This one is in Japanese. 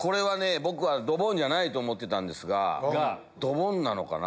僕はドボンじゃないと思ってたんですがドボンなのかな。